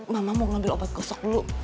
mama mau ambil obat gosok dulu